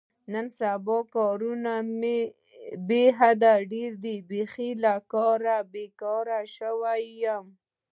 نن سبا مې کارونه بې حده ډېر دي، بیخي له کاره بېگاره شوی یم.